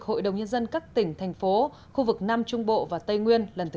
hội đồng nhân dân các tỉnh thành phố khu vực nam trung bộ và tây nguyên lần thứ hai mươi chín